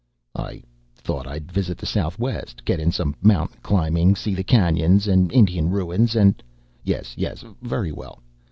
"I thought I'd visit the Southwest. Get in some mountain climbing, see the canyons and Indian ruins and " "Yes, yes. Very well.